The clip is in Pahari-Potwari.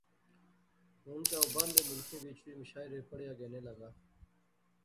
ہن تہ او باہرلے ملخیں وچ وی مشاعرے پڑھیا گینے لاغا